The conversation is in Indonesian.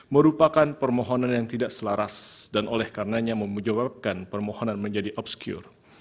merupakan permohonan yang tidak selaras dan oleh karenanya membujawabkan permohonan menjadi obscure